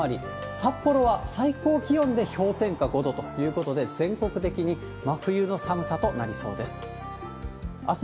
札幌は最高気温で氷点下５度ということで、全国的に真冬の寒さとなりそうです。